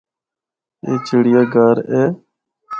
اے چڑیا گھر اے۔